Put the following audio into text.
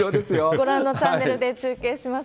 ご覧のチャンネルで中継します。